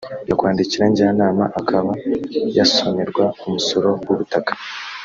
yakwandikira njyanama akaba yasonerwa umusoro w’ubutaka